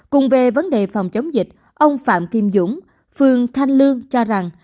cùng về vấn đề phòng chống dịch ông phạm kim dũng phường thanh lương cho rằng